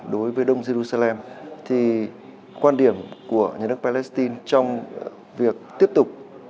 đối với đông giê ru sa lem thì quan điểm của nhà nước palestine trong việc tiếp tục